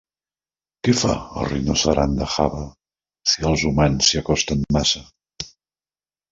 Què fa el rinoceront de Java si els humans s'hi acosten massa?